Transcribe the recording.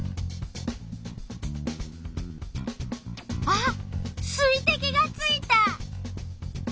あっ水てきがついた！